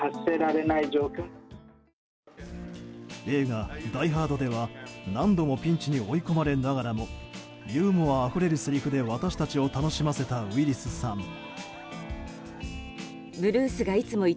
映画「ダイ・ハード」では何度もピンチに追い込まれながらもユーモアあふれるせりふで私たちを楽しませたウィリスさん。